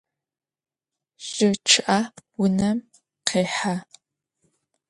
Jı ççı'e vunem khêhe.